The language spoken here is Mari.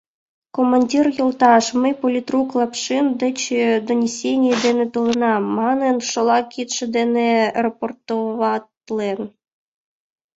— Командир йолташ, мый политрук Лапшин деч донесений дене толынам! — манын, шола кидше дене рапортоватлен.